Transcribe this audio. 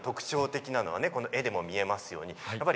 特徴的なのは絵でも見られますよね。